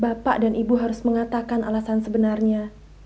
bapak dan ibu harus mengatakan alasan sebenarnya